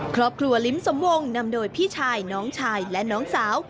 ครอบครัวลิ้มสมวงนำโดยพี่ชายน้องชายและน้องสาว